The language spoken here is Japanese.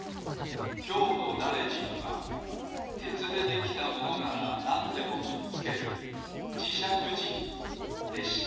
きょうのだれじんはてつでできたものならなんでもくっつけるじしゃくじんでした